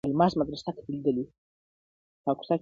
هم له غله هم داړه مار سره یې کار وو!!